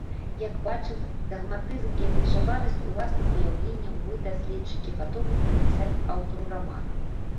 Як бачым, дагматызм і абмежаванасць уласных уяўленняў мы, даследчыкі, гатовы прыпісаць аўтару рамана.